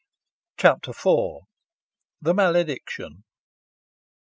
CHAPTER IV. THE MALEDICTION.